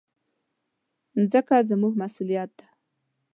مځکه زموږ مسؤلیت ده.